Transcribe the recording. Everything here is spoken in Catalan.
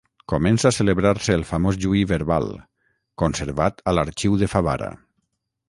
Comença a celebrar-se el famós juí verbal, conservat a l'arxiu de Favara.